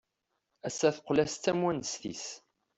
Ass-a teqqel-as d tamwanest-is.